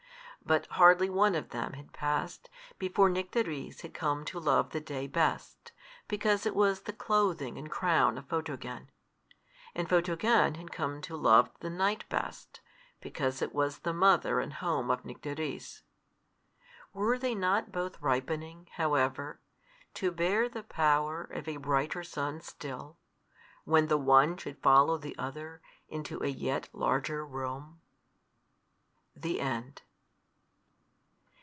But hardly one of them had passed before Nycteris had come to love the day best, because it was the clothing and crown of Photogen; and Photogen had come to love the night best, because it was the mother and home of Nycteris. Were they not both ripening, however, to bear the power of a brighter sun still, when the one should follow the other into a yet larger room? THE END.